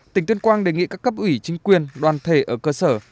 tỉnh tuyên quang đề nghị các cấp ủy chính quyền đoàn thể ở cơ sở